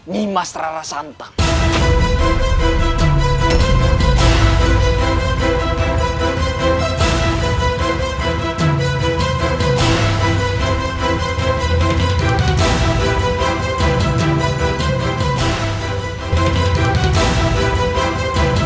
nimas rara santang